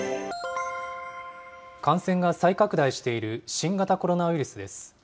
感染が再拡大している新型コロナウイルスです。